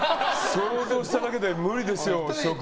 想像しただけで無理ですよ。